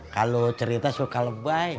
kalau cerita suka lebih